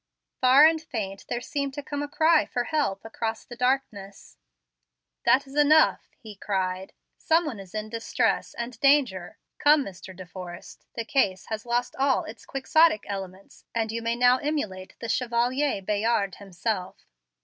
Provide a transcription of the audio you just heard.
Far and faint there seemed to come a cry for help across the darkness. "That is enough," he cried; "some one is in distress and danger. Come, Mr. De Forrest. The case has lost all its quixotic elements, and you may now emulate the Chevalier Bayard himself."